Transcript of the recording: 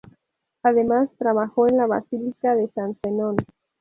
Además trabajó en la Basílica de San Zenón.